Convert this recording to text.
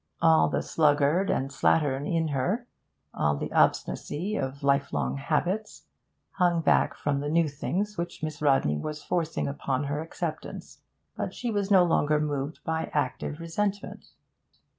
All the sluggard and the slattern in her, all the obstinacy of lifelong habits, hung back from the new things which Miss Rodney was forcing upon her acceptance, but she was no longer moved by active resentment.